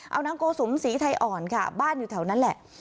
เอานางโกสุมศรีไทยอ่อนค่ะบ้านอยู่แถวนั้นแหละ